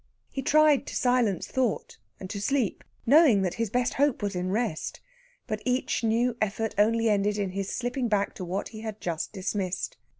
He tried to silence thought, and to sleep, knowing that his best hope was in rest; but each new effort only ended in his slipping back to what he had just dismissed.